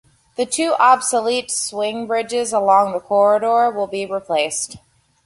The two obsolete swing bridges along the corridor would be replaced.